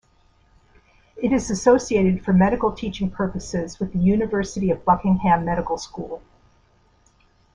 It is associated for medical teaching purposes with the University of Buckingham medical school.